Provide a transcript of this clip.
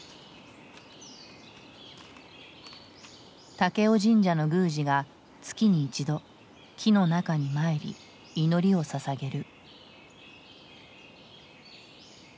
武雄神社の宮司が月に一度木の中に参り祈りをささげる。